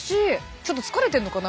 ちょっと疲れてんのかな。